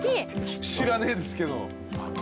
知らねえですけど。